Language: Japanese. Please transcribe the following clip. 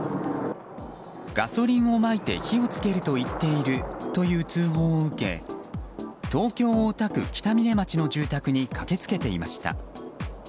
ガソリンをまいて火を付けると言っているという通報を受け東京・大田区北嶺町の住宅に駆けつけていました。